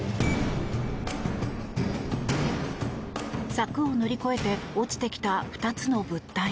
柵を乗り越えて落ちてきた２つの物体。